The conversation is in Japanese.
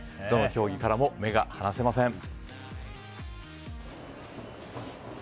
どの競技からも目が離せません。